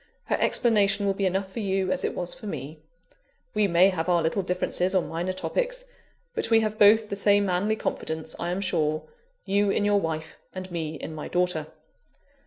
Her explanation will be enough for you, as it was for me. We may have our little differences on minor topics, but we have both the same manly confidence, I am sure you in your wife, and me in my daughter.